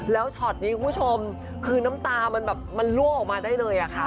แล้วช็อตนี้คุณผู้ชมคือน้ำตามันแบบมันล่วงออกมาได้เลยค่ะ